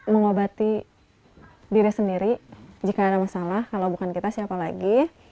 mengobati diri sendiri jika ada masalah kalau bukan kita siapa lagi